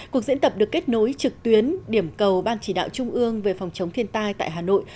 cuộc diễn tập được kết nối trực tuyến điểm cầu ban chỉ đạo trung ương về phòng chống thiên tai tại hà nội